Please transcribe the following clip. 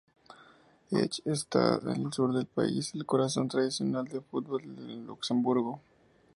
Esch está en el sur del país, el corazón tradicional de fútbol en Luxemburgo.